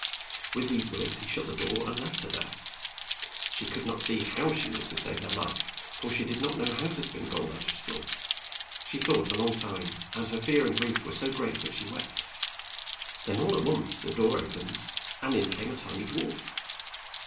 With these words he shut the door and left her there. She could not see how she was to save her life, for she did not know how to spin gold out ot straw. She thought a long time, and her fear and grief were so great that she wept. Then all at once the door o pened, and in came a ti ny dwarf.